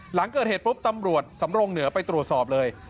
หลังเกิดเหตุปุ๊บตำรวจสำรงเหนือไปตรวจสอบเลย